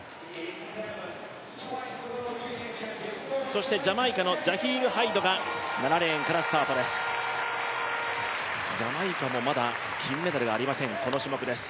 そしてジャマイカのジャヒール・ハイドが７レーンからスタートです。